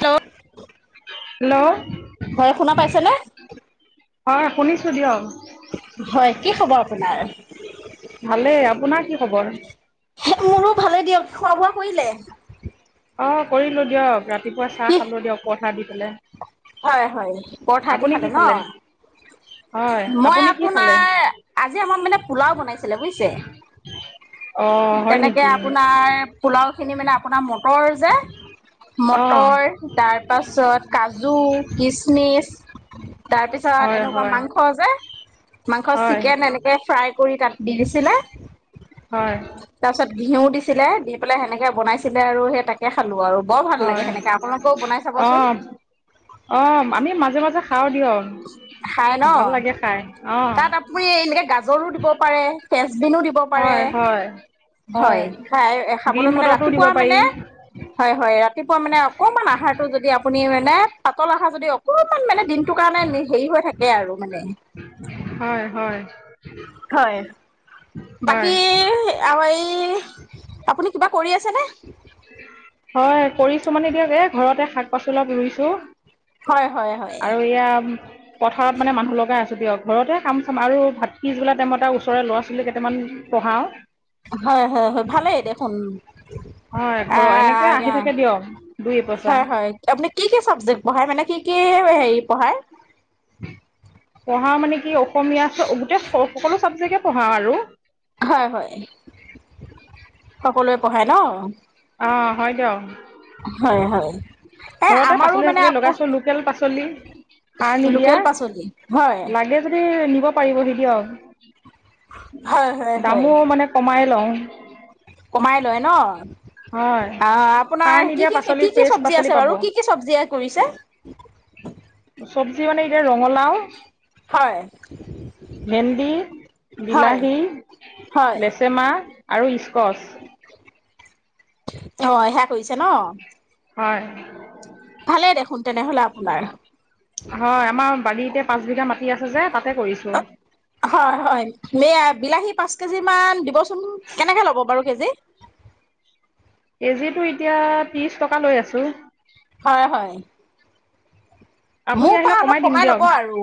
Hello hello হয় শুনা পাইছেনে? হয় শুনিছোঁ দিয়ক হয়, কি খবৰ আপোনাৰ? ভালেই, আপোনাৰ কি খবৰ? মোৰো ভালে দিয়ক, খোৱা বোৱা কৰিলে? অ' কৰিলো দিয়ক, ৰাতিপুৱা চাহ কি খালো দিয়ক, পৰঠা দি পেলাই হয়, হয়, পৰঠা দি আপুনি কি খালে ন‌? হয় মই আপুনি কি খালে আপোনাৰ, আজি আমাৰ মানে পোলাও বনাইছিলে বুইছে অ হয় তেনেকে নেকি আপোনাৰ, পোলাও খিনি মানে আপোনাৰ তৰ যে, অ মতৰ, তাৰ পাছত কাজ জু, কিচমিচ, তাৰপিছত হয় এনেকুৱা হয় মাংস যে মাংস হয় চিকেন এনেকে ফ্ৰাই কৰি তাত দি দিছিলে হয় তাৰপিছত ঘিউ দিছিলে, দি পেলাই সেনেকে বনাইছিলে আৰু সেই তাক কে খালো আৰু, বৰ ভাল হয় লাগে সেনেকে আপোনালোকেও বনাই অ খাবচোন। অ', আমি মাজে মাজে খাওঁ দিয়ক। খায় ন? ভাল লাগে খাই অ তাত আপুনি এনেকে গাজৰো দিব পাৰে। ফেচ বিনো দিব পাৰে হয়, হয়। হয়, গ্ৰীণ খাবলৈ মানে মটৰটো দিব ৰাতিপুৱা পাৰি মানে হয়, হয়, ৰাতিপুৱা মানে অকমান আহাৰটো যদি আপুনি মানে পাতল আহাৰ যদি অক কমান মানে দিনটো কাৰণে হেৰি হৈ থাকে আৰু মানে হয় হয় হয় হয় বাকী আৰু এই, আপুনি কিবা কৰি আছেনে? হয়, কৰিছোঁ মানে দিয়ক এ ঘৰতে শাক-পাচলি অলপ ৰুইছো হয় হয় হয় আৰু এয়া পথাৰত মানে মানুহ লগাই আছো দিয়ক। ঘৰতে কাম চাম আৰু ভাটিবেলা টাইমত ওচৰৰে ল'ৰা ছোৱালী কেইটামান পঢ়াও। হয়, হয়, হয় ভালেই দেখোন। [unintelligible] হয় ঘৰৰ এনেকৈ আহি থাকে দিয়ক দুই এপইচা হয়, হয়। আপুনি কি কি চাবজেক্ট পঢ়ায় মানে কি কি হেৰি পঢ়ায়? পঢ়াও মানে কি অসমীয়া গোটেই স সকলো চাবজেক্টেই পঢ়াও আৰু। হয় হয়। সকলোৱে পঢ়ায় ন? অ হয় দিয়ক। হয় হয় এ ঘৰতে আমাৰো পাচলি- মানে চাচলি আকৌ লগাইছো। লোক লোকেল পাচলি সাৰ নিদিয়া। লোকেল পাচলি হয় লাগে যদি নিব পাৰিবহি হয় হয় দিয়ক। হয় দামো মানে কমাই লওঁ। কমাই লয় ন? হয় আ সাৰ আপোনাৰ কি নিদিয়া কি খেতি, পাচলি কি কি ফ্ৰেছ চব্জি পাচলি আছে পাব বাৰু কি কি চব্জি কৰিছে? চব্জি মানে এতিয়া ৰঙলাও। হয়। ভেন্দি, হয় বিলাহী, হয় লেচেমাহ আৰু স্কচ। অ, সেয়া কৰিছে ন? হয়। ভালেই দেখোন তেনেহলে আপোনাৰ। হয়, আমাৰ বাৰীতে পাঁচ বিঘা মাটি আছে যে, তাতে কৰিছো। হয় হয়। বিলাহী পাঁচ কেজি মান দিবচোন। কেনেকে ল'ব বাৰু কেজি? কেজিটো এতিয়া ত্ৰিছ টকা লৈ আছোঁ। হয় হয়। আপুনি মোৰ আহিলে পৰা অলপ কমাই দিম দিয়ক। ল'ব আৰু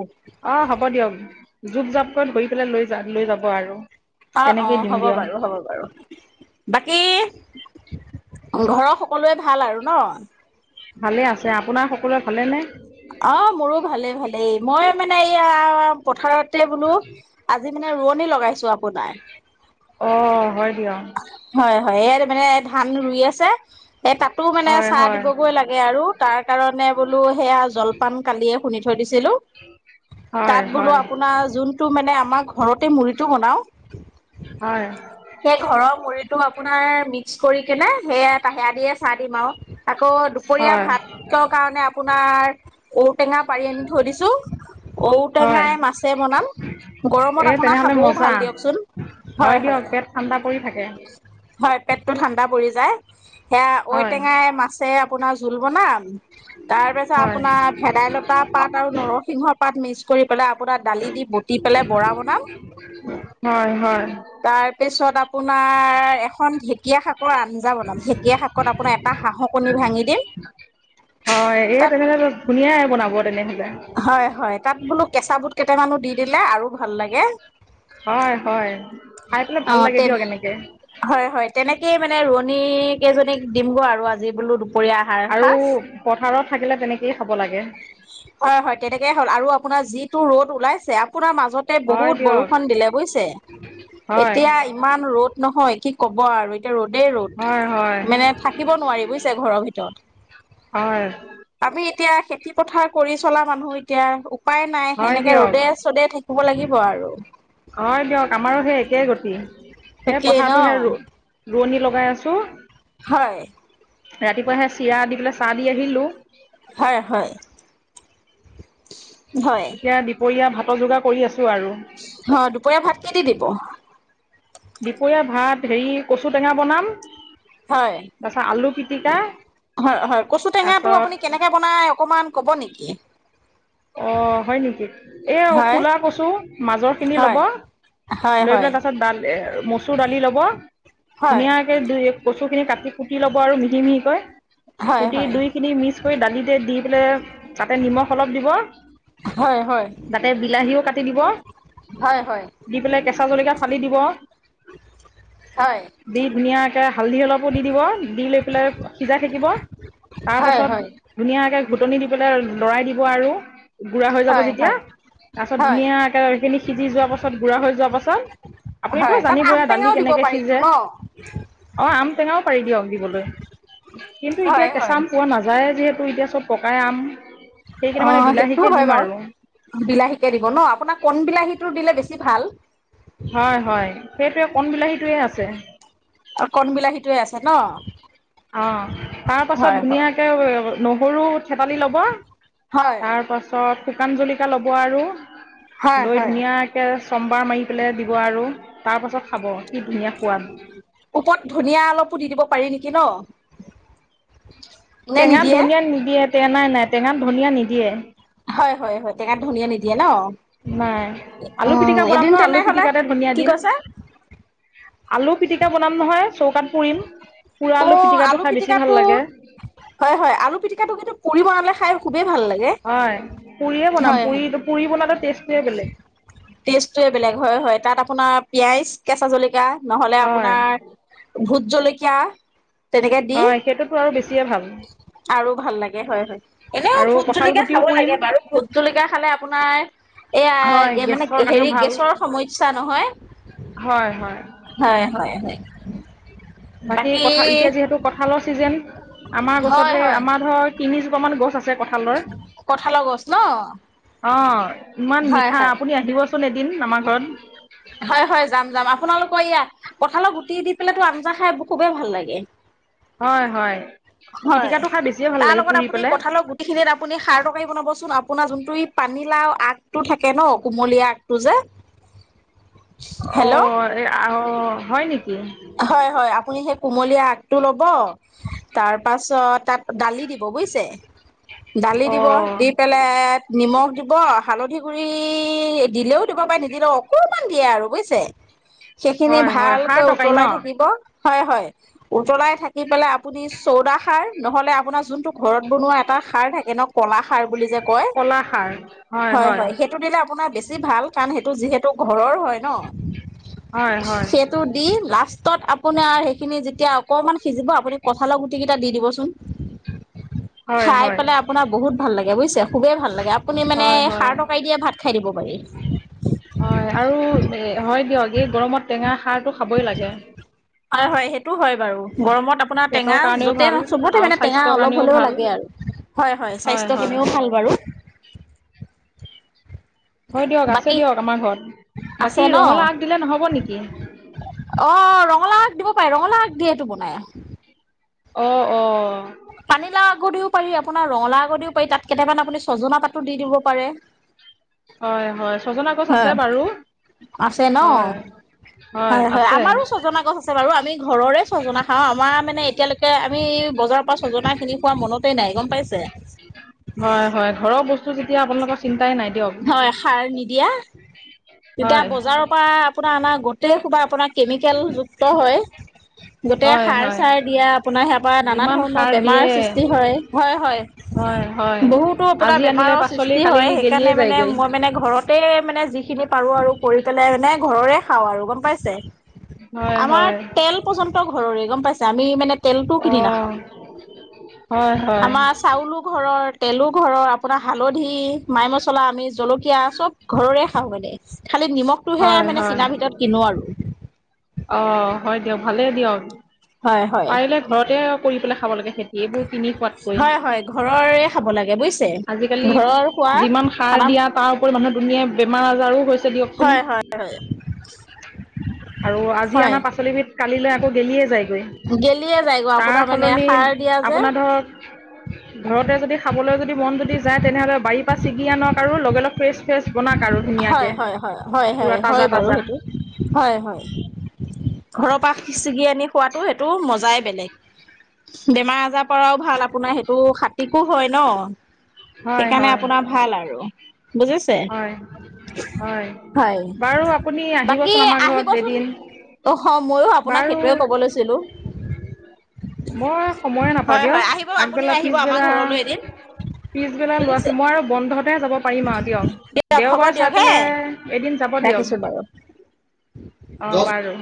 অ হ'ব দিয়ক, জুপ জাপ কৰি ধৰি পেলাই লৈ যা- লৈ যাব আৰু। অ অ, তেনেকেই দিম হ'ব দিয়ক, বাৰু হ'ব বাৰু। বাকী ঘৰ সকলোৰে ভাল আৰু ন? ভালেই আছে। আপোনাৰ সকলোৱে ভালে নে? অ মোৰো ভালে ভালেই। মই মানে এইয়া পথাৰতে বোলো আজি মানে ৰোৱনী লগাইছো আপোনাৰ। অ, হয় দিয়ক। হয় হয়। এইয়াতে মানে ধান ৰুই আছে। এ তাতো মানে হয়, চাহ হয়, দিবগৈ লাগে আৰু তাৰ কাৰণে বোলো সেয়া জল পান কালিয়ে খুন্দি থৈ দিছিলো। [inaudible] হয়, তাত বোলো হয়, আপোনাৰ যোনটো মানে আমাৰ ঘৰতে মুড়িটো বনাও। হয়। সেই ঘৰৰ মুড়িটো আপোনাৰ মিক্স কৰি কেনে সেইয়া সেইয়া দিয়ে চাহ দিম আৱ। আকৌ দুপৰীয়া হয়, ভাত কাৰণে আপোনাৰ ঔটেঙা পাৰি আনি থৈ দিছো। হয়, ঔটেঙাই মাছে বনাম। এই গৰমত আপোনাৰ তেনেহ'লে খাবও মজা, ভাল দিয়কচোন। হয় হয়। দিয়ক পেট ঠাণ্ডা পৰি থাকে। হয়, পেটটো ঠাণ্ডা পৰি যায়। সেয়া হয়। ঔটেঙাই, মাছে আপোনাৰ জোল বনাম। তাৰ পিছত হয় আপোনাৰ ভেদাইলতা পাত আৰু নৰসিংহ পাত মিক্স কৰি পেলাই আপোনাৰ দালি দি বটি পেলাই বৰা বনাম। হয় হয় তাৰ পিছত আপু আপোনাৰ এখন ঢেকীয়া শাকৰ আঞ্জা বনাম। ঢেকীয়া শাকত আপোনাৰ এটা হাঁহ কণী ভাঙি দিম। হয়, এই তাত তেনেহ'লে ধুনীয়াই বনাব তেনেহ'লে। হয় হয় তাত বোলো কেঁচা বুট কেইটামানো দি দিলে আৰু ভাল লাগে। হয় হয় খাই পেলাই ভাল লাগে তেন দিয়ক এনেকে। হয় হয় তেনেকেই মানে ৰোৱনী কেইজনীক দিম গৈ আৰু আজি বোলো দুপৰীয়া আহাৰ আৰু সাজ। পথাৰত থাকিলে তেনেকেই খাব লাগে। হয় হয় তেনেকে হ'ল আৰু আপোনাৰ যিটো ৰ'দ ওলাইছে। আপোনাৰ মাজত হয় বহুত দিয়ক বৰষুণ দিলে বুজিছে। হয় এতিয়া ইমান ৰ'দ নহয় কি ক'ব আৰু এতিয়া ৰ'দেই ৰ'দ হয় হয় মানে থাকিব নোৱাৰি বুজিছে ঘৰৰ ভিতৰত। অ। আমি এতিয়া খেতি পথাৰ কৰি চলা মানুহ এতিয়া। উপায় নাই হয় এনেকে দিয়ক ৰ'দে- চ'দে থাকিব লাগিব আৰু। হয় দিয়ক আমাৰো সেই একেই গতি সেই তাকেই ন পথাৰটোহে ৰু ৰোৱনী লগাই আছোঁ। হয়। ৰাতিপুৱা সে চিৰা দি পেলাই চাহ দি আহিলোঁ। হয় হয়। হয় এতিয়া দুপৰীয়া ভাতৰ যোগাৰ কৰি আছো আৰু। অ দুপৰীয়া ভাত কি দি দিব? দুপৰীয়া ভাত হেৰি কচু টেঙা বনাম। হয়। তাৰপাছত আলু পিটিকা হয় হয় কচু টেঙাটো তাৰপাছত আপুনি কেনেকে বনাই অকমান ক'ব নেকি? অ হয় নেকি। এ হয় ক'লা কচু মাজৰ খিনি হয় ল'ব। হয় লৈ হয় পেলাই তাৰ পাছত [unintelligible] কচু দালি ল'ব। হয় ধুনীয়াকে ধুই কচু খিনি কাটি- কুটি ল'ব আৰু মিহি মিহিকৈ। হয় কুটি হয় দুই খিনি মিক্স কৰি দালিতে দি পেলাই তাতে নিমখ অলপ দিব। হয় হয় হয় তাতে বিলাহীও কাটি দিব। হয় হয়। দি পেলাই কেঁচা জলকীয়া ফালি দিব। হয় দি ধুনীয়াকে হালধি অলপো দি দিব। দি লৈ পেলাই সিজাই থাকিব। তাৰ হয় পাছত হয়। ধুনীয়াকে ঘুটনি দি পেলাই লৰাই দিব আৰু গুড়া হৈ যাব হয় যেতিয়া তাৰ পিছত হয় ধুনীয়াকে সেইখিনি সিজি যোৱাৰ পাছত গুড়া হৈ যোৱা পাছত হয় আপুনিটো তাত আম জানিবই। দালি টেঙাও দিব কেনেকে পাৰিতো সিজে। ন অ আম টেঙাও পাৰি দিয়ক দিবলৈ। কিন্তু এতিয়া হয় কেঁচা হয় আম পোৱা নাযায় যিহেঁতু এতিয়া চব পকাই আম। সেইকেইটা অ মানে সেইটো বিলাহীকে হয় দিম আৰু বাৰু বিলাহীকে দিব ন আপোনাক কণ বিলাহীটো দিলে বেছি ভাল। হয় হয় সেইটোৱে কণ বিলাহীটোৱে আছে। কণ বিলাহীটোৱে আছে ন। অ তাৰ পাছত হয় হয় ধুনীয়াকে নহৰু থেতালি ল'ব। হয় তাৰপাছত শুকান জলিকিয়া ল'ব আৰু হয় লৈ হয় ধুনীয়া কে চমবাৰ মাৰি পেলাই দিব আৰু তাৰপাছত খাব কি ধুনীয়া সোৱাদ ওপৰত ধনিয়া অলপো দি দিব পাৰি নেকি ন। নে টেঙাত নিদিয়ে ধনিয়া নিদিয়ে। নাই নাই টেঙাত ধনিয়া নিদিয়ে। হয় হয় হয় টেঙাত ধনিয়া‌ নিদিয়ে ন। নাই আলু উম পিটিকা বনাম এদিন নহয় আলু তেনেহলে পিটিকাতে ধনিয়া কি দিম কৈছে? আলু পিটিকা বনাম নহয় চৌকাত পুৰিম পুৰা আলু পিটিকাটো খাই বেছি ভাল লাগে। হয় হয় আলু পিটিকাটো কিন্তু পুৰি বনালে খাই খুবেই ভাল লাগে। হয় পুৰিয়ে বনাম হয় পুৰি পুৰি বনালে টেষ্টটোৱে বেলেগ। টেষ্টটয়ে বেলেগ হয় হয় তাত আপোনাৰ পিয়াজ কেঁচা জলকা নহ'লে হয় আপোনাৰ। ভোট জলকীয়া তেনেকে দি হয় সেইটোতো আৰু বেছিয়ে ভাল আৰু ভাল লাগে। হয় হয় এনেও আৰু ভোট কঁঠাল জলকীয়া খাব গুটিও পুৰিম লাগে বাৰু ভোট জলকীয়া খালে আপোনাৰ। হয় এয়া মানে গেছৰ কাৰণেও হেৰি ভাল গেছৰ সমস্যা নহয়। হয় হয়। হয় হয় হয়। বাকী কথা এতিয়া যিহেতু। কঁঠালৰ ছিজন আমাৰ হয় গছতে হয় আমাৰ ধৰক তিনিজোপামান গছ আছে কঁঠালৰ। কঁঠালৰ গছ ন। অ ইমান হয় মিঠা হয় আপুনি আহিবচোন এদিন আমাৰ ঘৰত। হয় হয় যাম যাম আপোনালোকৰ ইয়াত কঁঠালত গুটি দি পেলায়তো আঞ্জা খাই খুবেই ভাল লাগে। হয় হয় পিটিকাটো খাই বেছিয়ে ভাল লাগে পুৰি পেলাই। খিনিত আপুনি সাৰ তৰকাৰি বনাবচোন আপোনাৰ যোনটো পানীলাও আগটো থাকে ন কুমলীয়া আগটো যে। অ হেল্ল' আহ হয় নেকি। হয় হয় আপুনি সেই কুমলীয়া আগটো ল'ব তাৰপাছত তাত। দালি দিব বুজিছে দালি অ দিব দি পেলাই। নিমখ দিব হালধি গুৰি দিলেও দিব পাৰে নিদিলেও অকমান দিয়ে আৰু বুজিছে। [inaudible] সেইখিনি হয় খাৰ ভালকৈ উ তৰকাৰী ন হয় হয় উতলাই থাকি পেলায় আপুনি ছোডা সাৰ আপোনাৰ জোনটো। ঘৰত বনোৱা এটা সাৰ থাকে ন কলা সাৰ বুলি যে কয়। হয় হয় সেইটো দিলে আপোনাৰ বেছি ভাল। সিতো যিহেতু ঘৰৰ হয় হয় ন হয় সেইটো দি লাষ্টত। আৰু সেইখিনি যেতিয়া অকণমান সিজিব আপুনি কঁঠালৰ গুটি কেইটা দি দিবচোন। হয় খাই হয় পেলাই আপোনাৰ বহুত ভাল লাগে বুজিছে খুবেই ভাল লাগে আপুনি মানে হয় হয় সাৰ টৰকাই দিয়ে ভাত খাই দিব পাৰি। হয় আৰু হয় দিয়ক এই গৰমত টেঙা সাৰটো খাবই লাগে। হয় হয় সেইটো হয় বাৰু। গৰমত আপোনাৰ পেটৰ টেঙা কাৰণেও য'তে ভাল চবতে আৰু মানে টেঙা স্বাস্থ্যৰ অলপ কাৰণেও হ'লেও ভাল লাগে আৰু। হয় হয় স্বাস্থ্য খিনিও ভাল বাৰু। হয় দিয়ক আছে বাকী দিয়ক আমাৰ ঘৰত আছে বাকী ন ৰঙালাউ আগ দিলে নহব নেকি। অ ৰঙালাউ আগ দিব পাৰি ৰঙালাউ আগ দিয়েটো বনাই। অ অ। অঁ। পানীলাও আগদিও পাৰি আপোনাৰ ৰঙালাও আগদিও পাৰি তাত কেইটামান আপুনি ছজনা পাতো দি দিব পাৰে। হয় হয় ছজনা গছ আছে হয়। বাৰু আছে ন হয়। হয় হয় আমাৰো ছজনা গছ আছে বাৰু আমি ঘৰৰে ছজনা খাওঁ আমাৰ মানে এতিয়ালৈকে আমি বজাৰ। তা ছজনা খিনি খোৱা মনতেই নাই গম পাইছে। হয়। হয়। ঘৰৰ বস্তু যেতিয়া আপোনালোকৰ চিন্তাই নাই দিয়ক। হয়। সাৰ নিদিয়া। তেতিয়া হয় বজাৰৰ পৰা আপোনাৰ আনা গোটেই খোবা, আপোনাৰ কেমিকেল যুক্ত হয়। গোটেই হয় সাৰ হয় চাৰ দিয়া, আপোনাৰ সাৰ পৰা নানা যিমান ধৰণৰ সাৰ বেমাৰ দিয়ে সৃষ্টি হয়। হয়, হয়। হয় হয় বহুতো আপোনাৰ আজি আনিলে বেমাৰৰ পাচলি সৃষ্টি হয়। কালিলৈ গেলিয়ে সেইকাৰণে মানে যায়গৈ মই মানে। ঘৰতে মানে যিখিনি পাৰো আৰু কৰি পেলাই মানে ঘৰৰে খাওঁ আৰু গম পাইছে। হয় আমাৰ হয় তেল পৰ্যন্ত ঘৰৰে, গম পাইছা? আমি মানে তেলটো কিনি নাখাওঁ, অঁ হয় হয় আমাৰ চাউলো ঘৰৰ তেলো ঘৰৰ, আপোনাৰ হালধি, মাই মছলা আমি জলকীয়া চব ঘৰৰে খাওঁ মানে, খালি নিমখটোহে হয় মানে কিনাৰ ভিতৰত কিনো আৰু। অ', হয় দিয়ক। ভালেই দিয়ক। হয় হয় পাৰিলে ঘৰতে কৰি পেলাই খাব লাগে সেই সেইবোৰ কিনি খোৱাতকৈ, হয় হয় ঘৰৰে খাব লাগে বুজিছে আজিকালি ঘৰৰ খোৱা যিমান সাৰ খানা দিয়াত তাৰ উপৰি মানুহৰ দুুনীয়াৰ বেমাৰ আজাৰো হৈছ হয়, হয়, হয়। আৰু আজি হয় আনা পাচলিবিধ কালিলৈ আকৌ গেলিয়ে যায়গৈ। গেলিয়ে যায়গৈ তাৰ আপোনাৰ মানে সলনি, সাৰ দিয়া যে আপোনাৰ ধৰক ঘৰতে যদি খাবলৈ যদি মন যদি যায়, তেনে হ'লে বাৰীৰ পৰা ছিঙী আনক আৰু লগে লগ ফ্ৰেছ, ফ্ৰেছ। বনাওক আৰু হয়, ধুনীয়াকে হয়, হয়, হয়, হয়, পুৰা হয় তাজা বাৰু তাজা সেইটো। হয়, হয়। ঘৰৰ পৰা খিচিকি আনি খোৱাতো সেইটো মজাই বেলেগ, বেমাৰ আজাৰ পৰাও ভাল আপোনাৰ সেইটো খাত টিকু হয় ন'। হয় সেইকাৰণে হয় আপোনাৰ ভাল আৰু বুজিছে? হয়। হয়। হয় বাৰু আপুনি বাকী আহিবচোন আমাৰ ঘৰত আহিবচোন এদিন। অ', হ', ময়ো আপোনাক সেইটোৱে বাৰু ক'ব লৈছিলো। মই সময়ে নাপাওঁ হয় দিয়ক, হয় আহিব আপুনিও আগবেলা, আহিব আমাৰ পিছবেলা ঘৰলৈ এদিন পিছবেলা ল'ৰা বুজিছে। ছো মই আৰু বন্ধতহে যাব পাৰিম আৰু দিয়ক। হ'ব দেওবাৰে দিয়ক চাই হে পেলাই, এদিন যাব দিয়ক। ৰাখিছো বাৰু। অ', বাৰু।